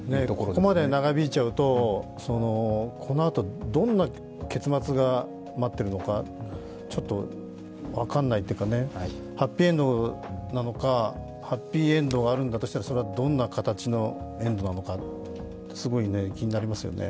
ここまで長引いちゃうと、このあとどんな結末が待ってるのかちょっと分からないというか、ハッピーエンドなのか、ハッピーエンドがあるんだとしたらそれはどんな形のエンドなのか、すごい気になりますよね。